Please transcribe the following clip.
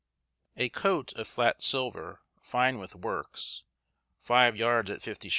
A coat of flat silver, fine with works, five yards at 50_s.